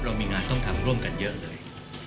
เรามีงานต้องทำร่วมกันเยอะเลย